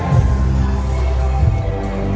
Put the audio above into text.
สโลแมคริปราบาล